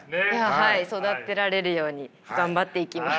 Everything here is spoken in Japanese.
はい育てられるように頑張っていきます。